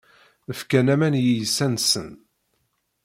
Fkan aman i yiysan-nsen.